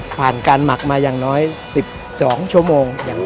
ผ่านการหมักมาอย่างน้อย๑๒ชั่วโมง